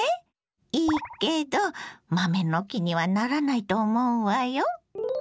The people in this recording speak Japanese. いいけど豆の木にはならないと思うわよ。